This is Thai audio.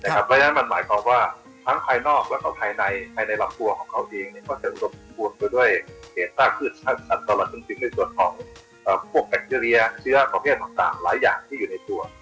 เพราะฉะนั้นมันหมายความว่าทั้งภายนอกแล้วก็ภายในภายในลำตัวของเขาเองก็จะรวมไปด้วยเหตุมากขึ้นตลอดจนถึงในส่วนของพวกแบคทีเรียเชื้อประเภทต่างหลายอย่างที่อยู่ในตัว